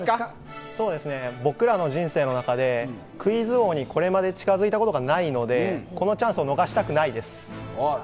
僕らの人生の中でクイズ王にこれまで近くなったことはないのでこのチャンスを逃したくないです。